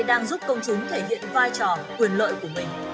đang giúp công chúng thể hiện vai trò quyền lợi của mình